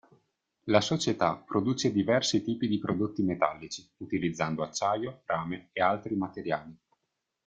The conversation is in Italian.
La società produce diversi tipi di prodotti metallici, utilizzando acciaio, rame, e altri materiali.